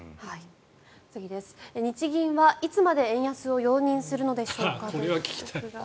次です、日銀はいつまで円安を容認するのでしょうかということですが。